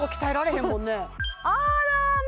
あらま